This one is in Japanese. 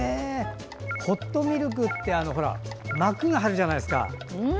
ホットミルクって膜が張るじゃないですか。